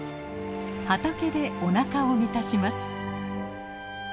畑でおなかを満たします。